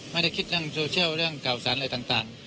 ไม่ได้คิดเรื่องโซเชียลเรื่องเก่าสรรค์อะไรต่าง